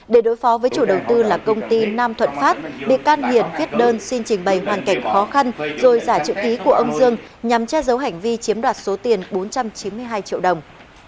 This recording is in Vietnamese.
để đối phó với chủ đầu tư là công ty nam thuận pháp bị can hiền viết đơn xin trình bày hoàn cảnh khó khăn rồi giả chữ ký của ông dương nhằm che giấu hành vi chiếm đoạt số tiền bốn trăm chín mươi hai triệu đồng